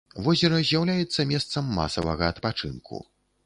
Возера з'яўляецца месцам масавага адпачынку.